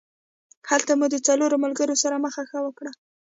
هلته مو د څلورو ملګرو سره مخه ښه وکړه.